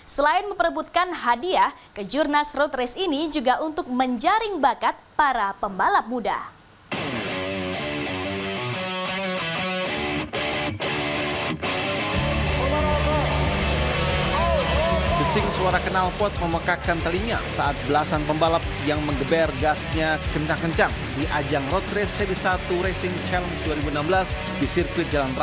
selain memperebutkan hadiah kejurnas road race ini juga untuk menjaring bakat para pembalap muda